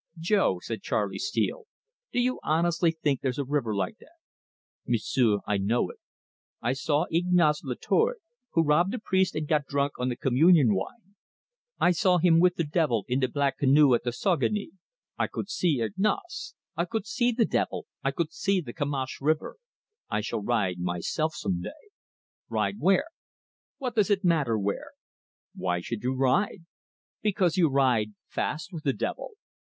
"Jo," said Charley Steele, "do you honestly think there's a river like that?" 'M'sieu', I know it. I saw Ignace Latoile, who robbed a priest and got drunk on the communion wine I saw him with the devil in the Black Canoe at the Saguenay. I could see Ignace; I could see the devil; I could see the Kimash River. I shall ride myself some day. "Ride where?" "What does it matter where?" "Why should you ride?" "Because you ride fast with the devil."